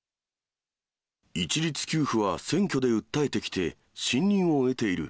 一律給付は選挙で訴えてきて、信任を得ている。